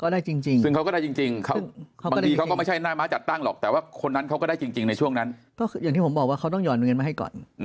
ซึ่งเขาก็ได้จริงบางทีเขาก็ไม่ใช่หน้าม้าจัดตั้งหรอกแต่ว่าคนนั้นเขาก็ได้จริงในช่วงนั้นก็อย่างที่ผมบอกว่าเขาต้องห่อนเงินมาให้ก่อน